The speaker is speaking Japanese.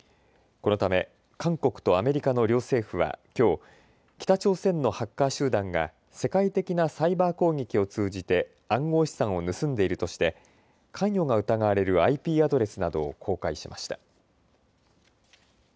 このため韓国とアメリカの両政府はきょう北朝鮮のハッカー集団が世界的なサイバー攻撃を通じて暗号資産を盗んでいるとして関与が疑われるＩＰアドレスなどを公開しました。